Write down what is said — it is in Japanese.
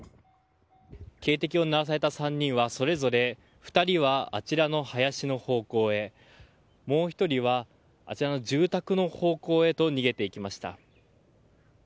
警笛を鳴らされた３人はそれぞれ２人はあちらの林の方向へもう１人は、あちらの住宅の方向へと逃げていきました。